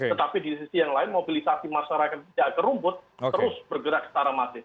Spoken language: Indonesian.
tetapi di sisi yang lain mobilisasi masyarakat di akar rumput terus bergerak secara mati